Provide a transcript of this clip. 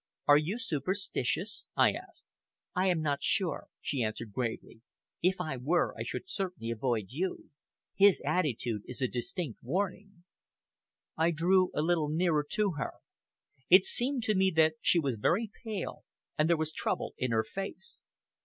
"Are you superstitious?" I asked. "I am not sure," she answered gravely. "If I were, I should certainly avoid you. His attitude is a distinct warning." I drew a little nearer to her. It seemed to me that she was very pale, and there was trouble in her face.